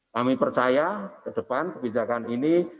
kami percaya ke depan kebijakan ini